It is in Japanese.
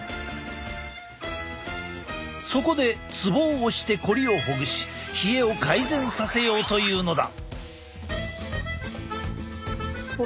そこでツボを押して凝りをほぐし冷えを改善させようというのだ。